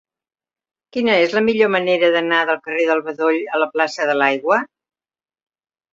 Quina és la millor manera d'anar del carrer del Bedoll a la plaça de l'Aigua?